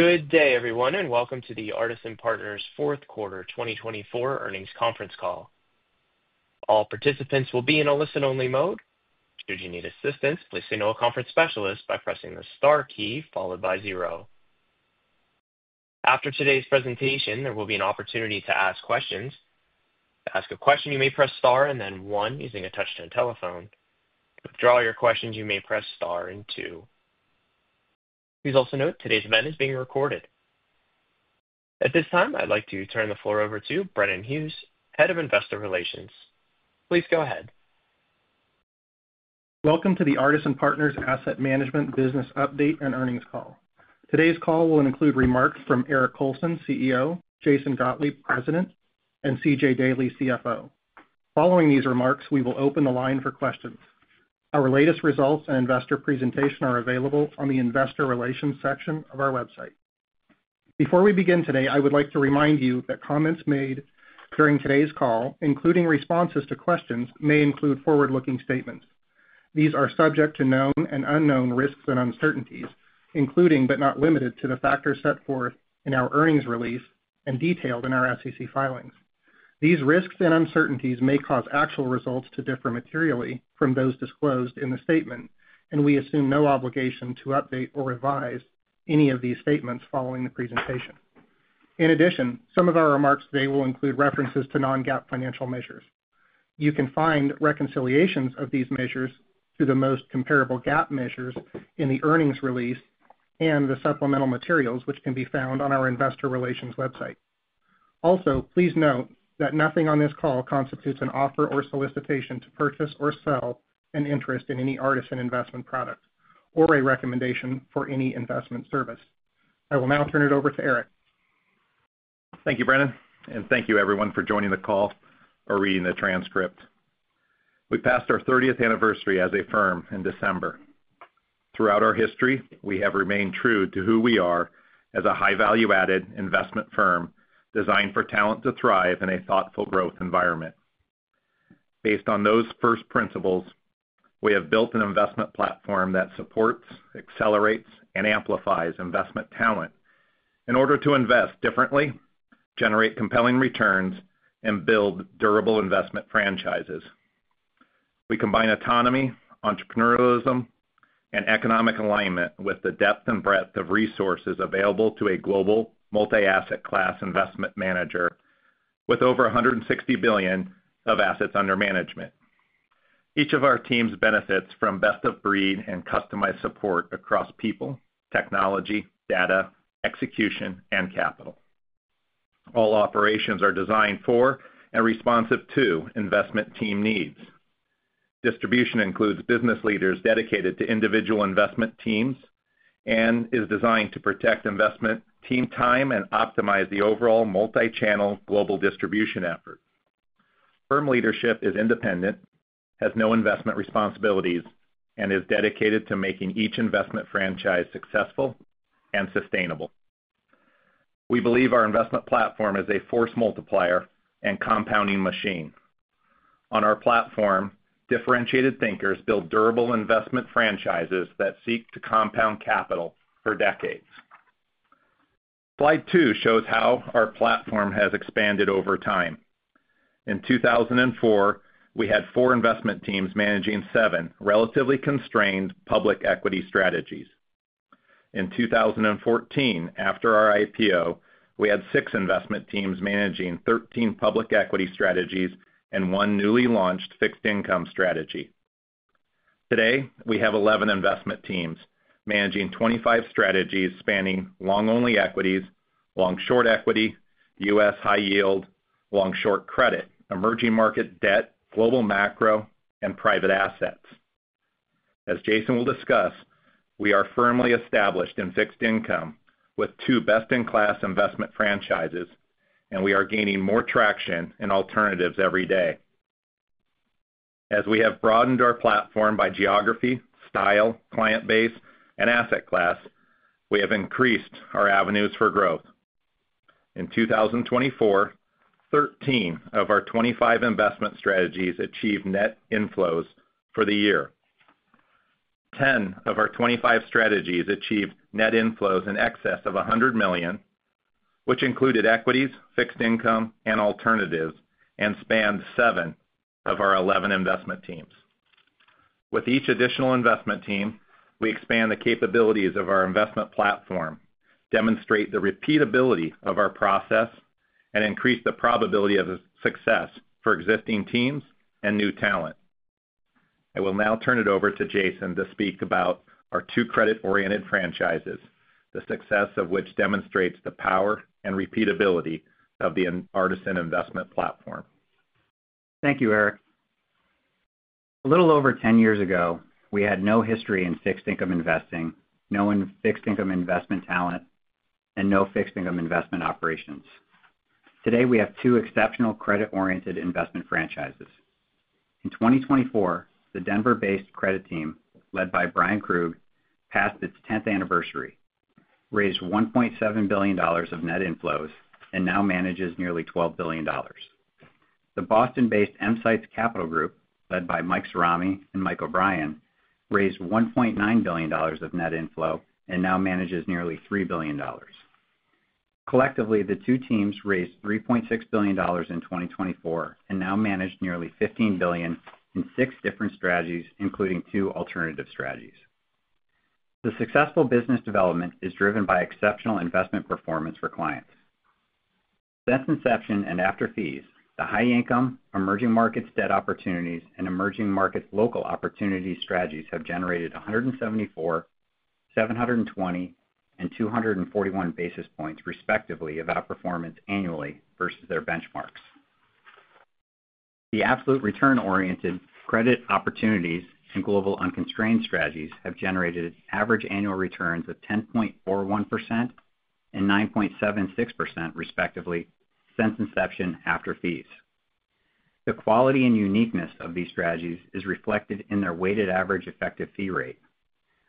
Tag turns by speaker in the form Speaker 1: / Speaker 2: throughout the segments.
Speaker 1: Good day, everyone, and welcome to the Artisan Partners fourth quarter 2024 earnings conference call. All participants will be in a listen-only mode. Should you need assistance, please signal a conference specialist by pressing the star key followed by zero. After today's presentation, there will be an opportunity to ask questions. To ask a question, you may press star and then one using a touch-tone telephone. To withdraw your questions, you may press star and two. Please also note today's event is being recorded. At this time, I'd like to turn the floor over to Brennan Hughes, Head of Investor Relations. Please go ahead.
Speaker 2: Welcome to the Artisan Partners Asset Management Business Update and Earnings call. Today's call will include remarks from Eric Colson, CEO, Jason Gottlieb, President, and C.J. Daley, CFO. Following these remarks, we will open the line for questions. Our latest results and investor presentation are available on the Investor Relations section of our website. Before we begin today, I would like to remind you that comments made during today's call, including responses to questions, may include forward-looking statements. These are subject to known and unknown risks and uncertainties, including but not limited to the factors set forth in our earnings release and detailed in our SEC filings. These risks and uncertainties may cause actual results to differ materially from those disclosed in the statement, and we assume no obligation to update or revise any of these statements following the presentation. In addition, some of our remarks today will include references to non-GAAP financial measures. You can find reconciliations of these measures to the most comparable GAAP measures in the earnings release and the supplemental materials, which can be found on our Investor Relations website. Also, please note that nothing on this call constitutes an offer or solicitation to purchase or sell an interest in any Artisan investment product or a recommendation for any investment service. I will now turn it over to Eric.
Speaker 3: Thank you, Brennan, and thank you, everyone, for joining the call or reading the transcript. We passed our 30th anniversary as a firm in December. Throughout our history, we have remained true to who we are as a high-value-added investment firm designed for talent to thrive in a thoughtful growth environment. Based on those first principles, we have built an investment platform that supports, accelerates, and amplifies investment talent in order to invest differently, generate compelling returns, and build durable investment franchises. We combine autonomy, entrepreneurialism, and economic alignment with the depth and breadth of resources available to a global multi-asset class investment manager with over $160 billion of assets under management. Each of our teams benefits from best-of-breed and customized support across people, technology, data, execution, and capital. All operations are designed for and responsive to investment team needs. Distribution includes business leaders dedicated to individual investment teams and is designed to protect investment team time and optimize the overall multi-channel global distribution effort. Firm leadership is independent, has no investment responsibilities, and is dedicated to making each investment franchise successful and sustainable. We believe our investment platform is a force multiplier and compounding machine. On our platform, differentiated thinkers build durable investment franchises that seek to compound capital for decades. Slide two shows how our platform has expanded over time. In 2004, we had four investment teams managing seven relatively constrained public equity strategies. In 2014, after our IPO, we had six investment teams managing 13 public equity strategies and one newly launched fixed income strategy. Today, we have 11 investment teams managing 25 strategies spanning long-only equities, long-short equity, U.S. high yield, long-short credit, emerging market debt, global macro, and private assets. As Jason will discuss, we are firmly established in fixed income with two best-in-class investment franchises, and we are gaining more traction and alternatives every day. As we have broadened our platform by geography, style, client base, and asset class, we have increased our avenues for growth. In 2024, 13 of our 25 investment strategies achieved net inflows for the year. 10 of our 25 strategies achieved net inflows in excess of $100 million, which included equities, fixed income, and alternatives, and spanned seven of our 11 investment teams. With each additional investment team, we expand the capabilities of our investment platform, demonstrate the repeatability of our process, and increase the probability of success for existing teams and new talent. I will now turn it over to Jason to speak about our two credit-oriented franchises, the success of which demonstrates the power and repeatability of the Artisan Investment Platform.
Speaker 4: Thank you, Eric. A little over 10 years ago, we had no history in fixed income investing, no fixed income investment talent, and no fixed income investment operations. Today, we have two exceptional credit-oriented investment franchises. In 2024, the Denver-based Credit Team, led by Bryan Krug, passed its 10th anniversary, raised $1.7 billion of net inflows, and now manages nearly $12 billion. The Boston-based EMsights Capital Group, led by Mike Cirami and Mike O'Brien, raised $1.9 billion of net inflow and now manages nearly $3 billion. Collectively, the two teams raised $3.6 billion in 2024 and now manage nearly $15 billion in six different strategies, including two alternative strategies. The successful business development is driven by exceptional investment performance for clients. Since inception and after fees, the High Income, Emerging Markets Debt Opportunities, and Emerging Markets Local Opportunities strategies have generated 174, 720, and 241 basis points, respectively, of outperformance annually versus their benchmarks. The absolute return-oriented Credit Opportunities and Global Unconstrained strategies have generated average annual returns of 10.41% and 9.76%, respectively, since inception after fees. The quality and uniqueness of these strategies is reflected in their weighted average effective fee rate,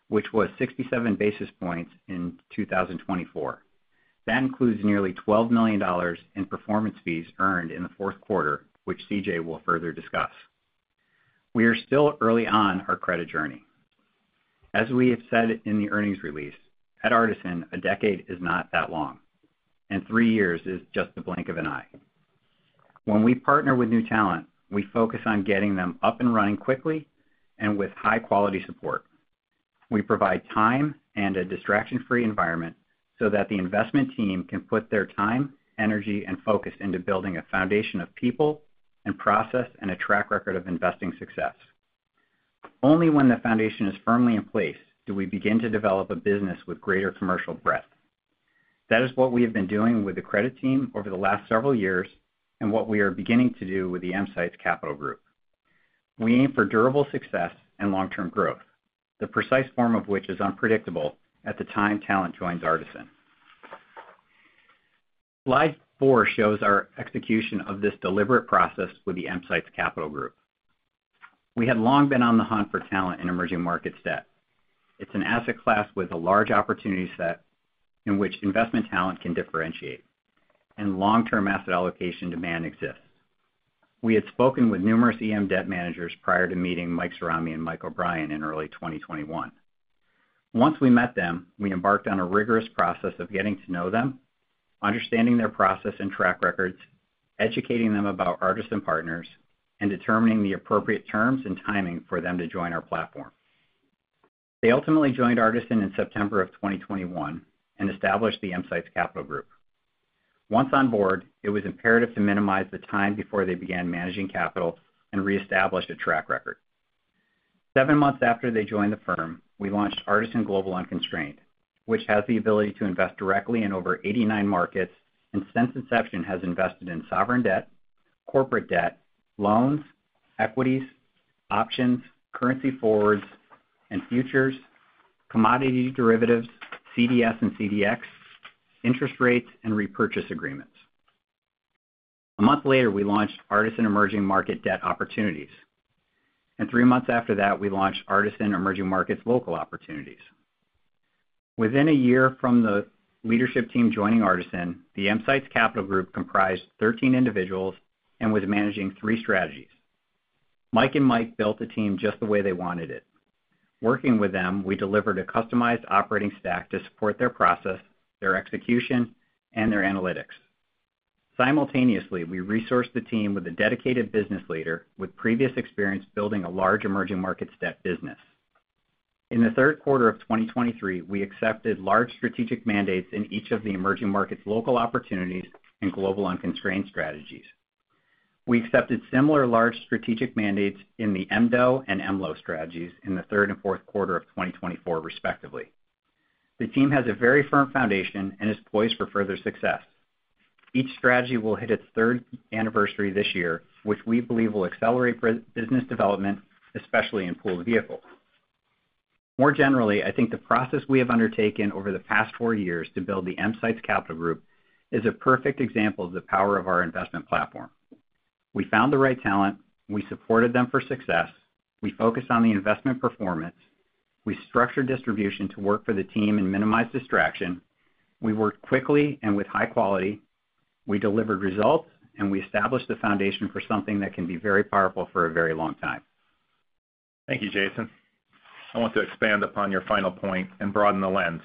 Speaker 4: which was 67 basis points in 2024. That includes nearly $12 million in performance fees earned in the Q4, which C.J. will further discuss. We are still early on our credit journey. As we have said in the earnings release, at Artisan, a decade is not that long, and three years is just the blink of an eye. When we partner with new talent, we focus on getting them up and running quickly and with high-quality support. We provide time and a distraction-free environment so that the investment team can put their time, energy, and focus into building a foundation of people and process and a track record of investing success. Only when the foundation is firmly in place do we begin to develop a business with greater commercial breadth. That is what we have been doing with the Credit Team over the last several years and what we are beginning to do with the EMsights Capital Group. We aim for durable success and long-term growth, the precise form of which is unpredictable at the time talent joins Artisan. Slide four shows our execution of this deliberate process with the EMsights Capital Group. We had long been on the hunt for talent in emerging markets debt. It's an asset class with a large opportunity set in which investment talent can differentiate, and long-term asset allocation demand exists. We had spoken with numerous EM debt managers prior to meeting Michael Cirami and Michael O'Brien in early 2021. Once we met them, we embarked on a rigorous process of getting to know them, understanding their process and track records, educating them about Artisan Partners, and determining the appropriate terms and timing for them to join our platform. They ultimately joined Artisan in September of 2021 and established the EMsights Capital Group. Once on board, it was imperative to minimize the time before they began managing capital and re-establish a track record. Seven months after they joined the firm, we launched Artisan Global Unconstrained, which has the ability to invest directly in over 89 markets and since inception has invested in sovereign debt, corporate debt, loans, equities, options, currency forwards and futures, commodity derivatives, CDS and CDX, interest rates, and repurchase agreements. A month later, we launched Artisan Emerging Markets Debt Opportunities. And three months after that, we launched Artisan Emerging Markets Local Opportunities. Within a year from the leadership team joining Artisan, the EMsights Capital Group comprised 13 individuals and was managing three strategies. Mike and Mike built a team just the way they wanted it. Working with them, we delivered a customized operating stack to support their process, their execution, and their analytics. Simultaneously, we resourced the team with a dedicated business leader with previous experience building a large emerging markets debt business. In the Q3 of 2023, we accepted large strategic mandates in each of the Emerging Markets Local Opportunities and Global Unconstrained strategies. We accepted similar large strategic mandates in the MDO and MLO strategies in the Q3 and Q4 of 2024, respectively. The team has a very firm foundation and is poised for further success. Each strategy will hit its third anniversary this year, which we believe will accelerate business development, especially in pooled vehicles. More generally, I think the process we have undertaken over the past four years to build the EMsights Capital Group is a perfect example of the power of our investment platform. We found the right talent. We supported them for success. We focused on the investment performance. We structured distribution to work for the team and minimize distraction. We worked quickly and with high quality. We delivered results, and we established the foundation for something that can be very powerful for a very long time.
Speaker 3: Thank you, Jason. I want to expand upon your final point and broaden the lens.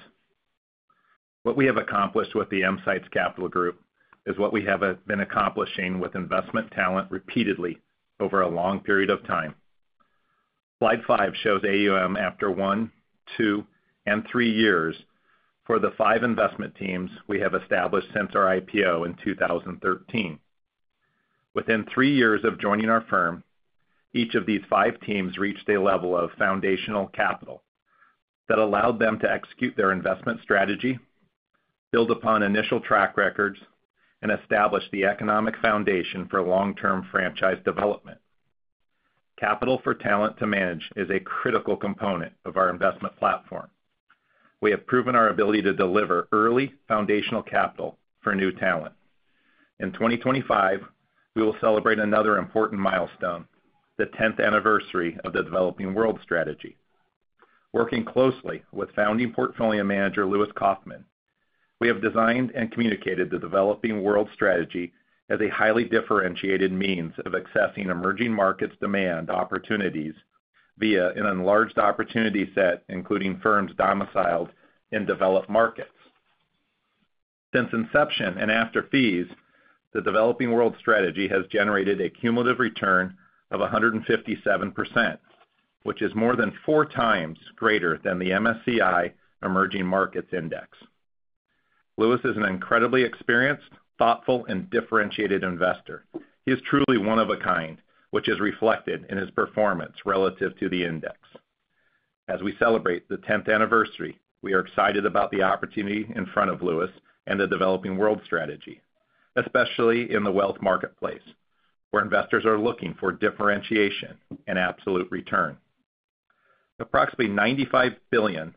Speaker 3: What we have accomplished with the EMsights Capital Group is what we have been accomplishing with investment talent repeatedly over a long period of time. Slide five shows AUM after one, two, and three years for the five investment teams we have established since our IPO in 2013. Within three years of joining our firm, each of these five teams reached a level of foundational capital that allowed them to execute their investment strategy, build upon initial track records, and establish the economic foundation for long-term franchise development. Capital for talent to manage is a critical component of our investment platform. We have proven our ability to deliver early foundational capital for new talent. In 2025, we will celebrate another important milestone, the 10th anniversary of the Developing World Strategy. Working closely with Founding Portfolio Manager Lewis Kaufman, we have designed and communicated the Developing World Strategy as a highly differentiated means of accessing emerging markets demand opportunities via an enlarged opportunity set, including firms domiciled in developed markets. Since inception and after fees, the Developing World Strategy has generated a cumulative return of 157%, which is more than four times greater than the MSCI Emerging Markets Index. Lewis is an incredibly experienced, thoughtful, and differentiated investor. He is truly one of a kind, which is reflected in his performance relative to the index. As we celebrate the 10th anniversary, we are excited about the opportunity in front of Lewis and the Developing World Strategy, especially in the wealth marketplace where investors are looking for differentiation and absolute return. Approximately $95 billion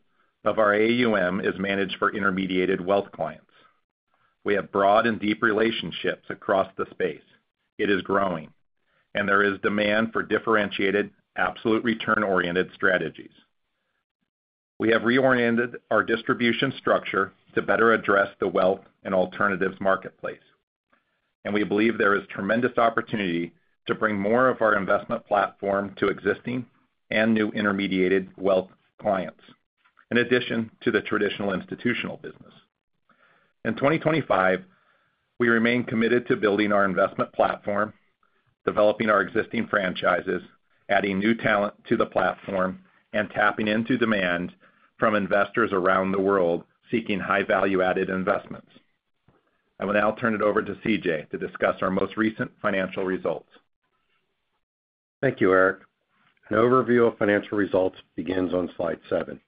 Speaker 3: of our AUM is managed for intermediated wealth clients. We have broad and deep relationships across the space. It is growing, and there is demand for differentiated, absolute return-oriented strategies. We have reoriented our distribution structure to better address the wealth and alternatives marketplace, and we believe there is tremendous opportunity to bring more of our investment platform to existing and new intermediated wealth clients, in addition to the traditional institutional business. In 2025, we remain committed to building our investment platform, developing our existing franchises, adding new talent to the platform, and tapping into demand from investors around the world seeking high value-added investments. I will now turn it over to C.J. to discuss our most recent financial results.
Speaker 5: Thank you, Eric. An overview of financial results begins on slide seven.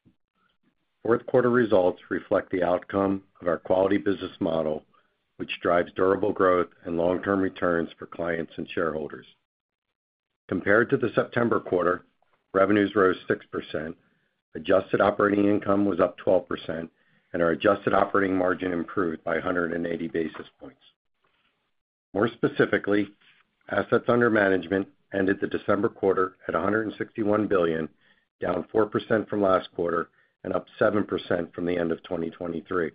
Speaker 5: Q4 results reflect the outcome of our quality business model, which drives durable growth and long-term returns for clients and shareholders. Compared to the September quarter, revenues rose 6%, adjusted operating income was up 12%, and our adjusted operating margin improved by 180 basis points. More specifically, assets under management ended the December quarter at $161 billion, down 4% from last quarter and up 7% from the end of 2023.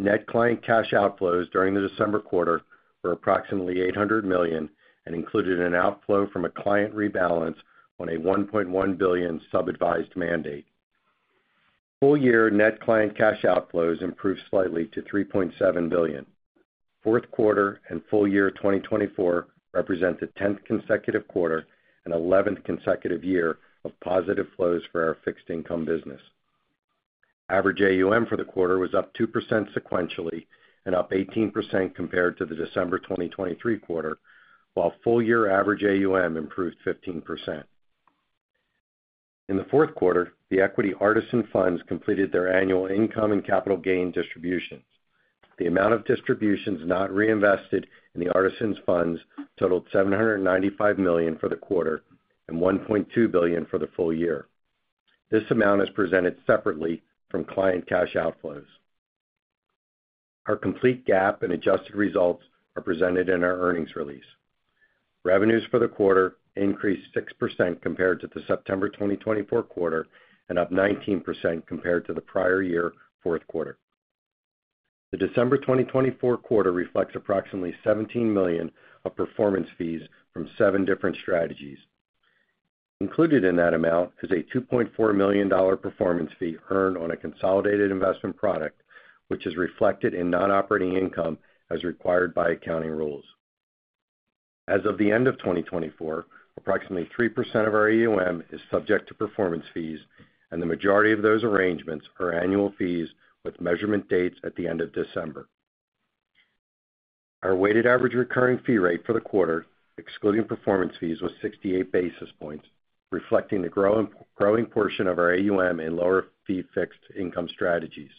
Speaker 5: Net client cash outflows during the December quarter were approximately $800 million and included an outflow from a client rebalance on a $1.1 billion sub-advised mandate. Full year net client cash outflows improved slightly to $3.7 billion. Q4 and full year 2024 represent the 10th consecutive quarter and 11th consecutive year of positive flows for our fixed income business. Average AUM for the quarter was up 2% sequentially and up 18% compared to the December 2023 quarter, while full year average AUM improved 15%. In the Q4, the equity Artisan Funds completed their annual income and capital gain distributions. The amount of distributions not reinvested in the Artisan Funds totaled $795 million for the quarter and $1.2 billion for the full year. This amount is presented separately from client cash outflows. Our complete GAAP and adjusted results are presented in our earnings release. Revenues for the quarter increased 6% compared to the September 2024 quarter and up 19% compared to the prior year Q4. The December 2024 quarter reflects approximately $17 million of performance fees from seven different strategies. Included in that amount is a $2.4 million performance fee earned on a consolidated investment product, which is reflected in non-operating income as required by accounting rules. As of the end of 2024, approximately 3% of our AUM is subject to performance fees, and the majority of those arrangements are annual fees with measurement dates at the end of December. Our weighted average recurring fee rate for the quarter, excluding performance fees, was 68 basis points, reflecting the growing portion of our AUM in lower-fee fixed income strategies.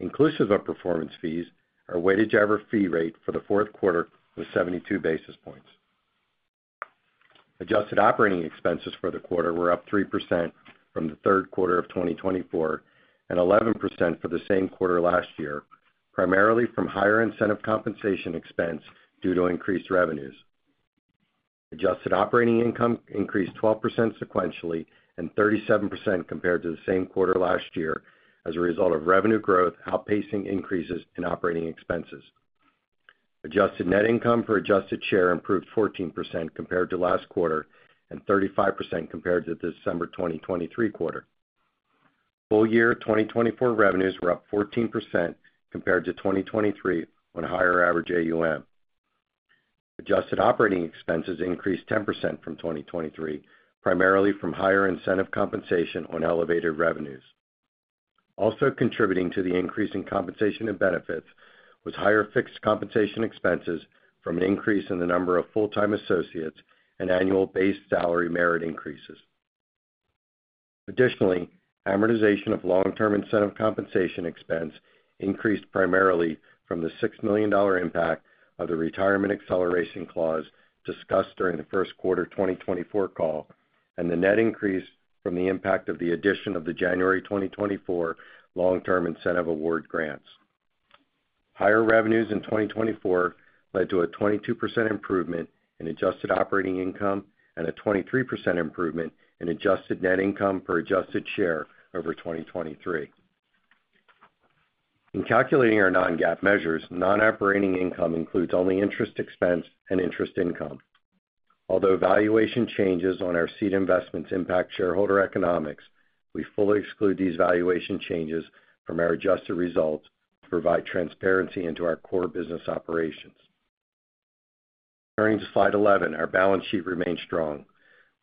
Speaker 5: Inclusive of performance fees, our weighted average fee rate for the Q4 was 72 basis points. Adjusted operating expenses for the quarter were up 3% from the Q3 of 2024 and 11% for the same quarter last year, primarily from higher incentive compensation expense due to increased revenues. Adjusted operating income increased 12% sequentially and 37% compared to the same quarter last year as a result of revenue growth outpacing increases in operating expenses. Adjusted net income per adjusted share improved 14% compared to last quarter and 35% compared to the December 2023 quarter. Full year 2024 revenues were up 14% compared to 2023 on higher average AUM. Adjusted operating expenses increased 10% from 2023, primarily from higher incentive compensation on elevated revenues. Also contributing to the increase in compensation and benefits was higher fixed compensation expenses from an increase in the number of full-time associates and annual base salary merit increases. Additionally, amortization of long-term incentive compensation expense increased primarily from the $6 million impact of the retirement acceleration clause discussed during the Q1 2024 call and the net increase from the impact of the addition of the January 2024 long-term incentive award grants. Higher revenues in 2024 led to a 22% improvement in adjusted operating income and a 23% improvement in adjusted net income per adjusted share over 2023. In calculating our non-GAAP measures, non-operating income includes only interest expense and interest income. Although valuation changes on our seed investments impact shareholder economics, we fully exclude these valuation changes from our adjusted results to provide transparency into our core business operations. Turning to slide 11, our balance sheet remains strong.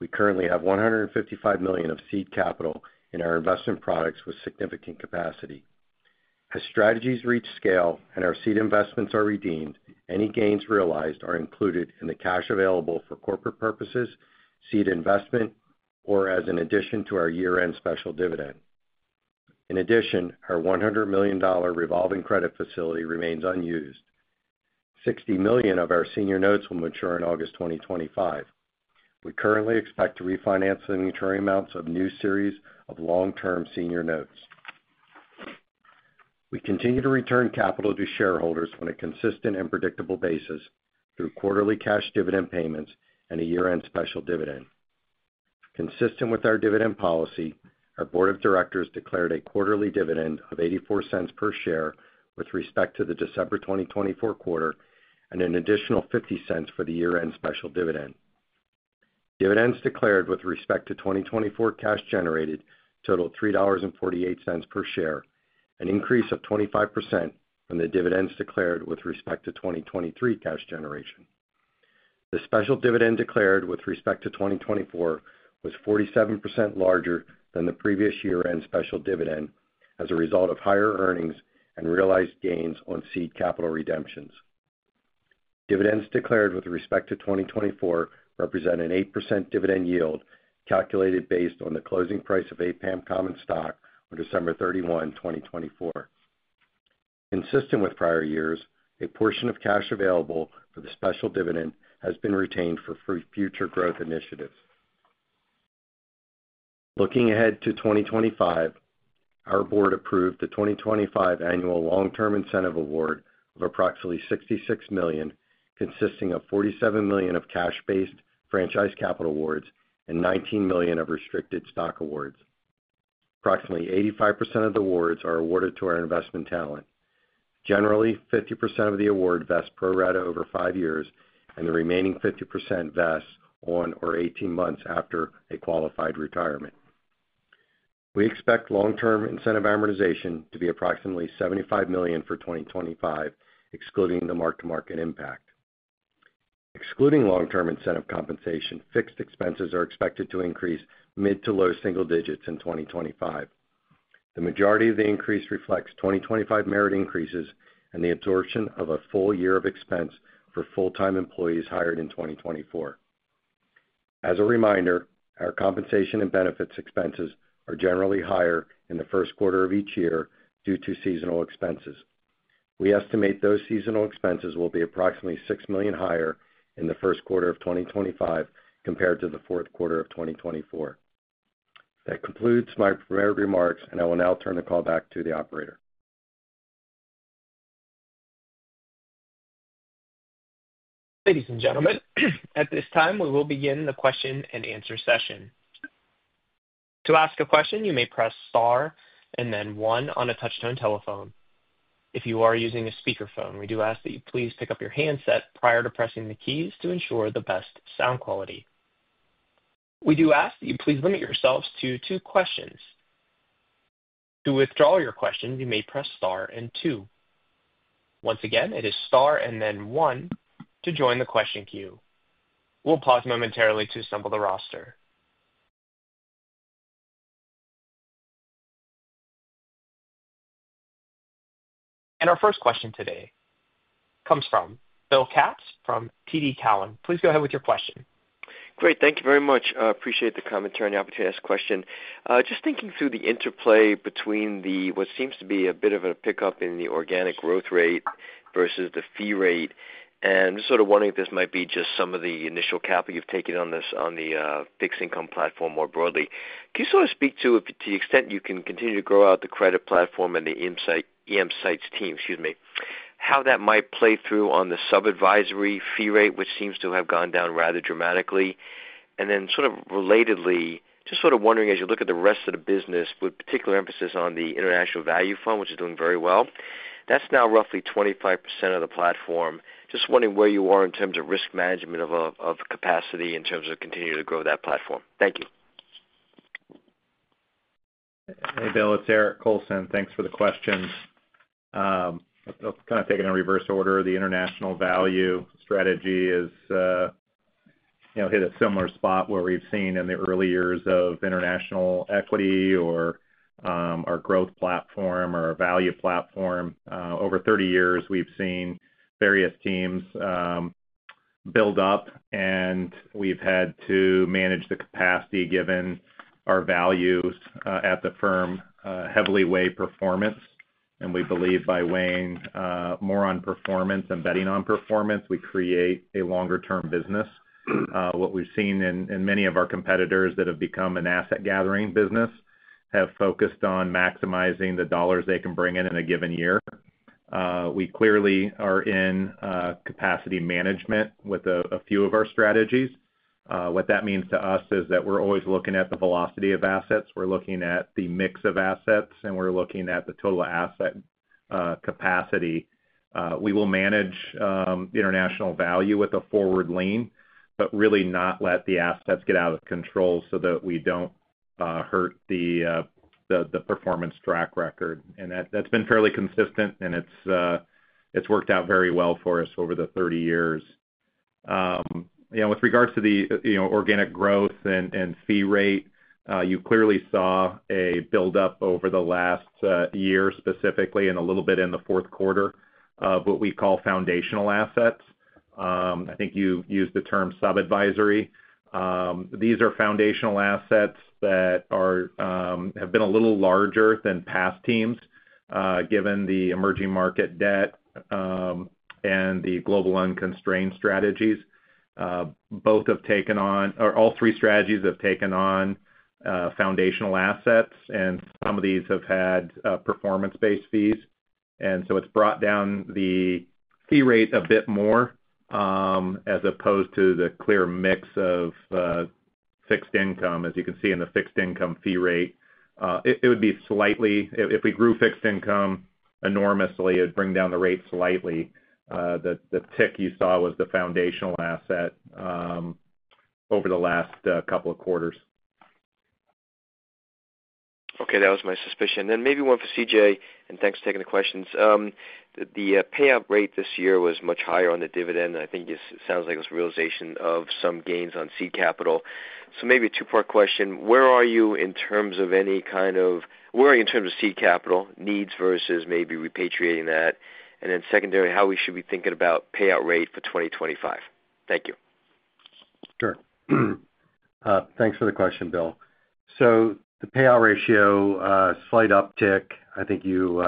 Speaker 5: We currently have $155 million of seed capital in our investment products with significant capacity. As strategies reach scale and our seed investments are redeemed, any gains realized are included in the cash available for corporate purposes, seed investment, or as an addition to our year-end special dividend. In addition, our $100 million revolving credit facility remains unused. $60 million of our senior notes will mature in August 2025. We currently expect to refinance the maturity amounts of new series of long-term senior notes. We continue to return capital to shareholders on a consistent and predictable basis through quarterly cash dividend payments and a year-end special dividend. Consistent with our dividend policy, our board of directors declared a quarterly dividend of $0.84 per share with respect to the December 2024 quarter and an additional $0.50 for the year-end special dividend. Dividends declared with respect to 2024 cash generated totaled $3.48 per share, an increase of 25% from the dividends declared with respect to 2023 cash generation. The special dividend declared with respect to 2024 was 47% larger than the previous year-end special dividend as a result of higher earnings and realized gains on seed capital redemptions. Dividends declared with respect to 2024 represent an 8% dividend yield calculated based on the closing price of APAM Common Stock on December 31, 2024. Consistent with prior years, a portion of cash available for the special dividend has been retained for future growth initiatives. Looking ahead to 2025, our board approved the 2025 annual long-term incentive award of approximately $66 million, consisting of $47 million of cash-based Franchise Capital Awards and $19 million of restricted stock awards. Approximately 85% of the awards are awarded to our investment talent. Generally, 50% of the award vests pro rata over five years, and the remaining 50% vests on or 18 months after a qualified retirement. We expect long-term incentive amortization to be approximately $75 million for 2025, excluding the mark-to-market impact. Excluding long-term incentive compensation, fixed expenses are expected to increase mid to low single digits in 2025. The majority of the increase reflects 2025 merit increases and the absorption of a full year of expense for full-time employees hired in 2024. As a reminder, our compensation and benefits expenses are generally higher in the Q1 of each year due to seasonal expenses. We estimate those seasonal expenses will be approximately $6 million higher in the Q1 of 2025 compared to the Q4 of 2024. That concludes my remarks, and I will now turn the call back to the operator.
Speaker 1: Ladies and gentlemen, at this time, we will begin the question and answer session. To ask a question, you may press star and then one on a touch-tone telephone. If you are using a speakerphone, we do ask that you please pick up your handset prior to pressing the keys to ensure the best sound quality. We do ask that you please limit yourselves to two questions. To withdraw your questions, you may press star and two. Once again, it is star and then one to join the question queue. We'll pause momentarily to assemble the roster, and our first question today comes from Bill Katz from TD Cowen. Please go ahead with your question.
Speaker 6: Great. Thank you very much. Appreciate the commentary and the opportunity to ask a question. Just thinking through the interplay between what seems to be a bit of a pickup in the organic growth rate versus the fee rate, and just sort of wondering if this might be just some of the initial capital you've taken on the fixed income platform more broadly. Can you sort of speak to, to the extent you can continue to grow out the credit platform and the EMsights team, excuse me, how that might play through on the sub-advisory fee rate, which seems to have gone down rather dramatically? And then sort of relatedly, just sort of wondering as you look at the rest of the business, with particular emphasis on the International Value Fund, which is doing very well, that's now roughly 25% of the platform. Just wondering where you are in terms of risk management of capacity in terms of continuing to grow that platform? Thank you.
Speaker 3: Hey, Bill. It's Eric Colson. Thanks for the question. I'll kind of take it in reverse order. The International Value Strategy has hit a similar spot where we've seen in the early years of International Equity or our growth platform or our value platform. Over 30 years, we've seen various teams build up, and we've had to manage the capacity given our values at the firm heavily weigh performance. And we believe by weighing more on performance and betting on performance, we create a longer-term business. What we've seen in many of our competitors that have become an asset-gathering business have focused on maximizing the dollars they can bring in in a given year. We clearly are in capacity management with a few of our strategies. What that means to us is that we're always looking at the velocity of assets. We're looking at the mix of assets, and we're looking at the total asset capacity. We will manage International Value with a forward lean, but really not let the assets get out of control so that we don't hurt the performance track record. And that's been fairly consistent, and it's worked out very well for us over the 30 years. With regards to the organic growth and fee rate, you clearly saw a build-up over the last year, specifically, and a little bit in the Q4 of what we call foundational assets. I think you used the term sub-advisory. These are foundational assets that have been a little larger than past teams, given the emerging market debt and the global unconstrained strategies. Both have taken on, or all three strategies have taken on foundational assets, and some of these have had performance-based fees. So it's brought down the fee rate a bit more as opposed to the clear mix of fixed income, as you can see in the fixed income fee rate. It would be slightly. If we grew fixed income enormously, it would bring down the rate slightly. The tick you saw was the foundational asset over the last couple of quarters.
Speaker 6: Okay. That was my suspicion, then maybe one for C.J., and thanks for taking the questions. The payout rate this year was much higher on the dividend. I think it sounds like it was a realization of some gains on seed capital, so maybe a two-part question. Where are you in terms of seed capital needs versus maybe repatriating that? And then secondary, how we should be thinking about payout rate for 2025? Thank you.
Speaker 5: Sure. Thanks for the question, Bill. So the payout ratio, slight uptick. I think you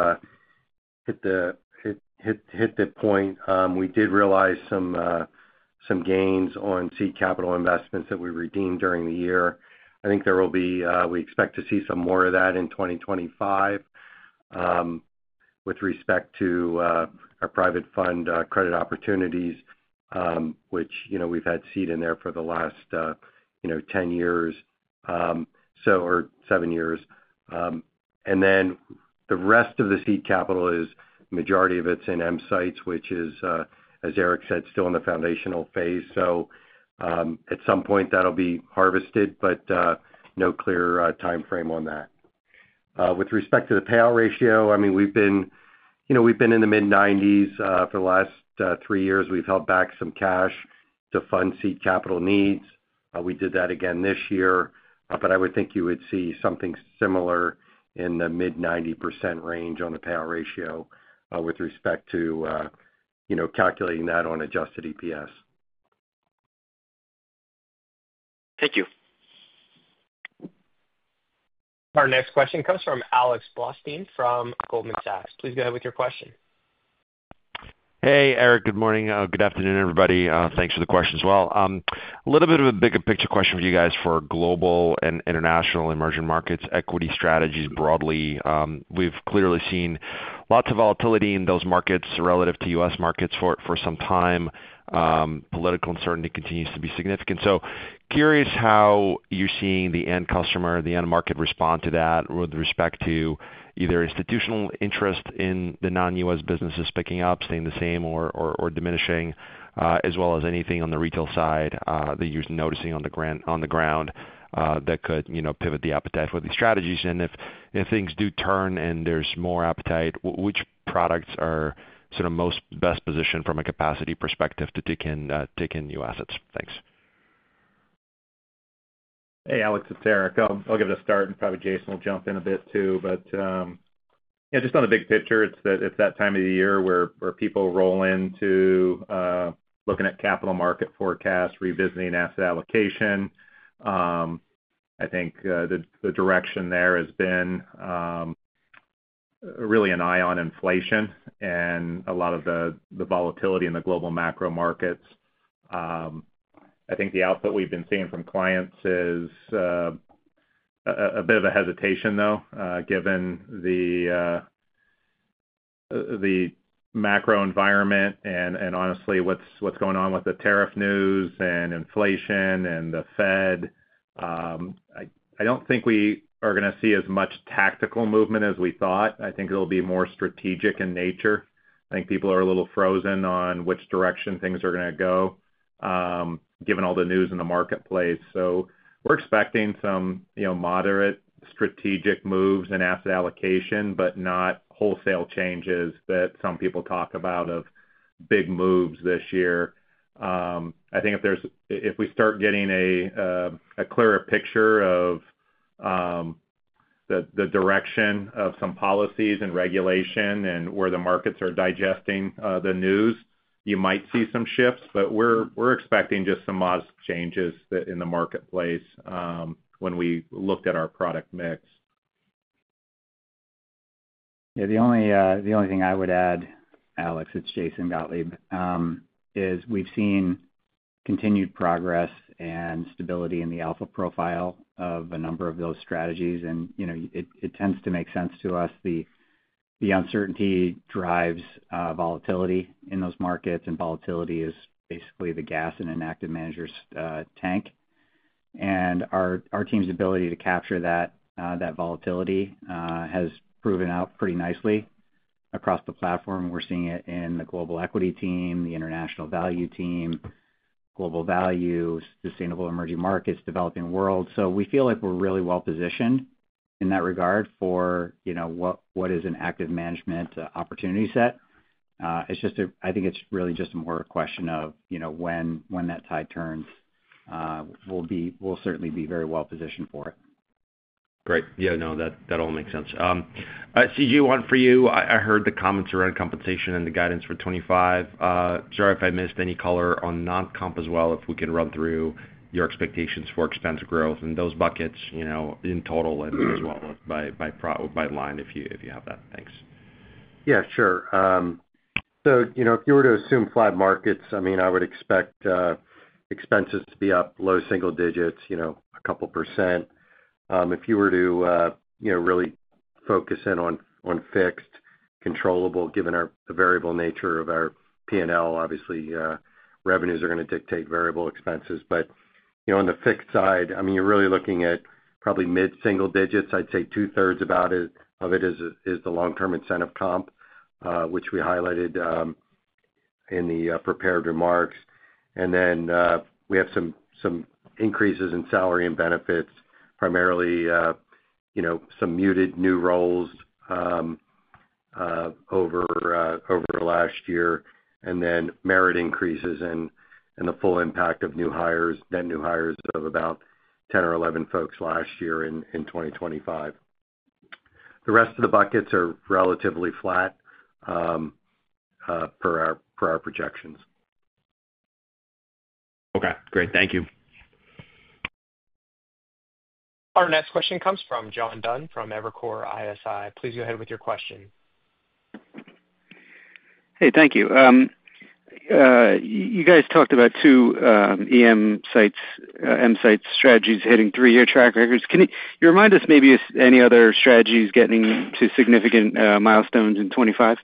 Speaker 5: hit the point. We did realize some gains on seed capital investments that we redeemed during the year. I think there will be, we expect to see some more of that in 2025 with respect to our private fund Credit Opportunities, which we've had seed in there for the last 10 years or 7 years. And then the rest of the seed capital is, majority of it's in EMsights, which is, as Eric said, still in the foundational phase. So at some point, that'll be harvested, but no clear timeframe on that. With respect to the payout ratio, I mean, we've been in the mid-90s for the last three years. We've held back some cash to fund seed capital needs. We did that again this year, but I would think you would see something similar in the mid-90% range on the payout ratio with respect to calculating that on adjusted EPS.
Speaker 6: Thank you.
Speaker 1: Our next question comes from Alex Blostein from Goldman Sachs. Please go ahead with your question.
Speaker 7: Hey, Eric. Good morning. Good afternoon, everybody. Thanks for the question as well. A little bit of a bigger picture question for you guys for global and international emerging markets, equity strategies broadly. We've clearly seen lots of volatility in those markets relative to U.S. markets for some time. Political uncertainty continues to be significant. So curious how you're seeing the end customer, the end market respond to that with respect to either institutional interest in the non-U.S businesses picking up, staying the same, or diminishing, as well as anything on the retail side that you're noticing on the ground that could pivot the appetite for these strategies. And if things do turn and there's more appetite, which products are sort of most best positioned from a capacity perspective to take in new assets? Thanks.
Speaker 3: Hey, Alex. It's Eric. I'll give it a start, and probably Jason will jump in a bit too. But just on the big picture, it's that time of the year where people roll into looking at capital market forecasts, revisiting asset allocation. I think the direction there has been really an eye on inflation and a lot of the volatility in the global macro markets. I think the output we've been seeing from clients is a bit of a hesitation, though, given the macro environment and honestly what's going on with the tariff news and inflation and the Fed. I don't think we are going to see as much tactical movement as we thought. I think it'll be more strategic in nature. I think people are a little frozen on which direction things are going to go, given all the news in the marketplace. So, we're expecting some moderate strategic moves in asset allocation, but not wholesale changes that some people talk about of big moves this year. I think if we start getting a clearer picture of the direction of some policies and regulation and where the markets are digesting the news, you might see some shifts, but we're expecting just some modest changes in the marketplace when we looked at our product mix.
Speaker 4: Yeah. The only thing I would add, Alex, it's Jason Gottlieb, is we've seen continued progress and stability in the alpha profile of a number of those strategies. It tends to make sense to us. The uncertainty drives volatility in those markets, and volatility is basically the gas in an active manager's tank. Our team's ability to capture that volatility has proven out pretty nicely across the platform. We're seeing it in the Global Equity Team, the International Value Team, Global Value, Sustainable Emerging Markets, Developing World. We feel like we're really well positioned in that regard for what is an active management opportunity set. I think it's really just more a question of when that tide turns. We'll certainly be very well positioned for it.
Speaker 7: Great. Yeah. No, that all makes sense. C.J., one for you. I heard the comments around compensation and the guidance for 2025. Sorry if I missed any color on non-comp as well, if we can run through your expectations for expense growth and those buckets in total as well by line if you have that. Thanks.
Speaker 5: Yeah. Sure. So if you were to assume flat markets, I mean, I would expect expenses to be up low single digits, a couple percent. If you were to really focus in on fixed, controllable given the variable nature of our P&L, obviously revenues are going to dictate variable expenses. But on the fixed side, I mean, you're really looking at probably mid-single digits. I'd say two-thirds of it is the long-term incentive comp, which we highlighted in the prepared remarks. And then we have some increases in salary and benefits, primarily some muted new roles over last year, and then merit increases and the full impact of net new hires of about 10 or 11 folks last year in 2025. The rest of the buckets are relatively flat per our projections.
Speaker 7: Okay. Great. Thank you.
Speaker 1: Our next question comes from John Dunn from Evercore ISI. Please go ahead with your question.
Speaker 8: Hey. Thank you. You guys talked about two EMsights strategies hitting three-year track records. Can you remind us maybe of any other strategies getting to significant milestones in 2025?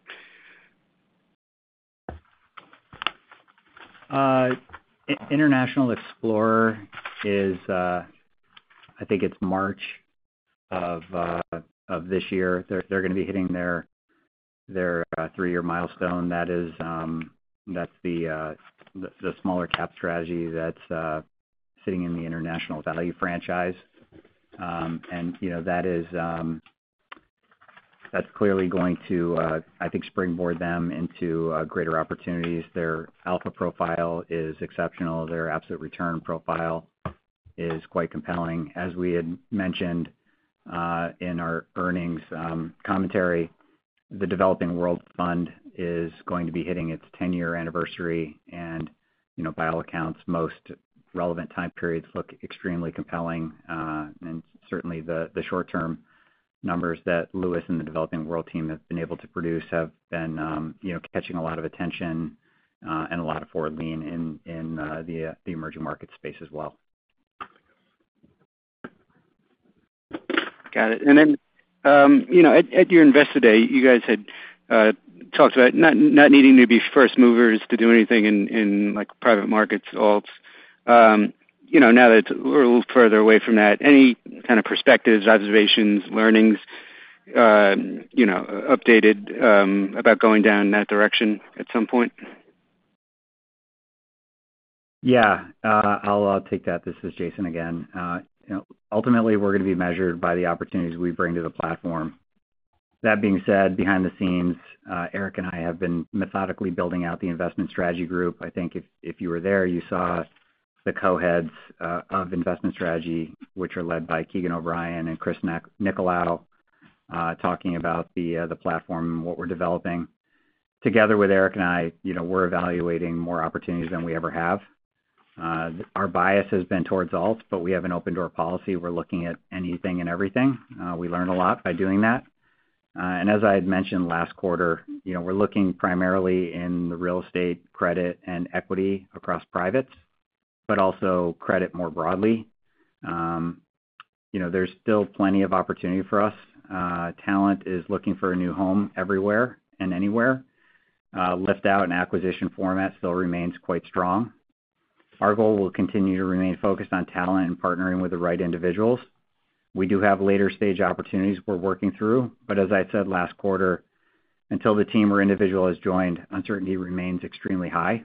Speaker 4: International Explorer is, I think, in March of this year. They are going to be hitting their three-year milestone. That is the smaller cap strategy that is sitting in the International Value franchise. That is clearly going to, I think, springboard them into greater opportunities. Their alpha profile is exceptional. Their absolute return profile is quite compelling. As we had mentioned in our earnings commentary, the Developing World Fund is going to be hitting its 10-year anniversary. By all accounts, most relevant time periods look extremely compelling. Certainly, the short-term numbers that Lewis and the Developing World team have been able to produce have been catching a lot of attention and a lot of forward lean in the emerging market space as well.
Speaker 8: Got it. And then at your Investor Day, you guys had talked about not needing to be first movers to do anything in private markets at all. Now that we're a little further away from that, any kind of perspectives, observations, learnings updated about going down in that direction at some point?
Speaker 4: Yeah. I'll take that. This is Jason again. Ultimately, we're going to be measured by the opportunities we bring to the platform. That being said, behind the scenes, Eric and I have been methodically building out the Investment Strategy Group. I think if you were there, you saw the co-heads of investment strategy, which are led by Keegan O'Brien and Chris Nicklo, talking about the platform and what we're developing. Together with Eric and I, we're evaluating more opportunities than we ever have. Our bias has been towards alt, but we have an open-door policy. We're looking at anything and everything. We learn a lot by doing that, and as I had mentioned last quarter, we're looking primarily in the real estate, credit, and equity across privates, but also credit more broadly. There's still plenty of opportunity for us. Talent is looking for a new home everywhere and anywhere. Liftout and acquisition format still remains quite strong. Our goal will continue to remain focused on talent and partnering with the right individuals. We do have later-stage opportunities we're working through. But as I said last quarter, until the team or individual has joined, uncertainty remains extremely high.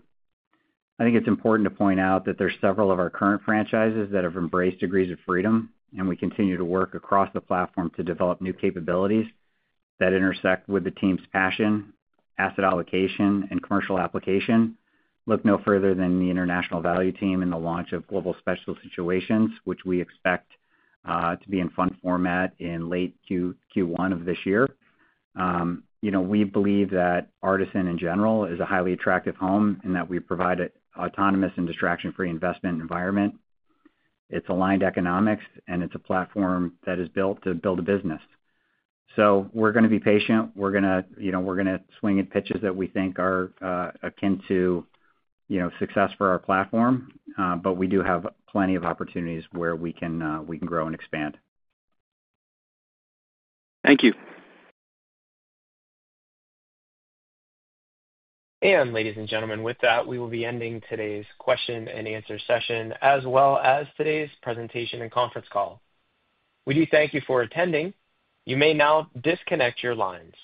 Speaker 4: I think it's important to point out that there are several of our current franchises that have embraced degrees of freedom, and we continue to work across the platform to develop new capabilities that intersect with the team's passion, asset allocation, and commercial application. Look no further than the International Value Team and the launch of Global Special Situations, which we expect to be in fund format in late Q1 of this year. We believe that Artisan, in general, is a highly attractive home and that we provide an autonomous and distraction-free investment environment. It's aligned economics, and it's a platform that is built to build a business. So we're going to be patient. We're going to swing at pitches that we think are akin to success for our platform, but we do have plenty of opportunities where we can grow and expand.
Speaker 8: Thank you.
Speaker 1: And ladies and gentlemen, with that, we will be ending today's question and answer session as well as today's presentation and conference call. We do thank you for attending. You may now disconnect your lines.